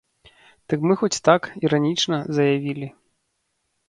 Дык мы хоць так, іранічна, заявілі.